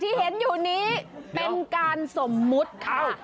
ที่เห็นอยู่นี้เป็นการสมมุติค่ะ